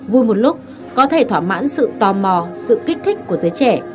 vui một lúc có thể thỏa mãn sự tò mò sự kích thích của giới trẻ